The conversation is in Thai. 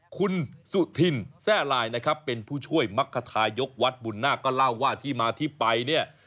คุณสุธินแทร่ลายนะครับเป็นผู้ช่วยมรรคทายกวัดบุญนาคก็เล่าว่าที่มาที่ไปเนี่ย